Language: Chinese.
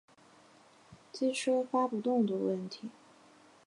机车发不动的问题